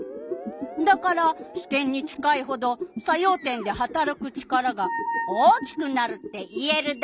だから支点に近いほど作用点ではたらく力が大きくなるって言えるダーロ！